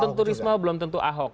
tentu risma belum tentu ahok